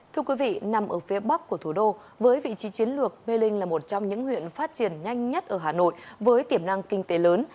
thưa quý vị nằm ở phía bắc của thủ đô với vị trí chiến lược mê linh là một trong những huyện phát triển nhanh nhất ở hà nội với tiềm năng kinh tế lớn